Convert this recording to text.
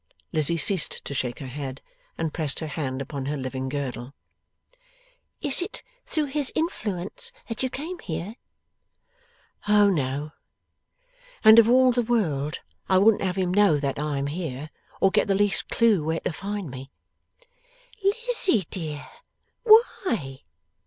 Lizzie ceased to shake her head, and pressed her hand upon her living girdle. 'Is it through his influence that you came here?' 'O no! And of all the world I wouldn't have him know that I am here, or get the least clue where to find me.' 'Lizzie, dear! Why?